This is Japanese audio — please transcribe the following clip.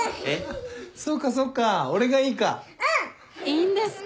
いいんですか？